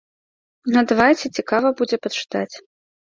Ну давайце, цікава будзе пачытаць.